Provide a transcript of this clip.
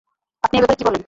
আপনি এ ব্যাপারে কী বলেন?